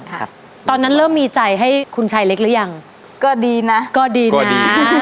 ครับตอนนั้นเริ่มมีใจให้คุณชายเล็กหรือยังก็ดีนะก็ดีนะใช่